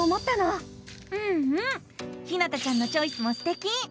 うんうんひなたちゃんのチョイスもすてき！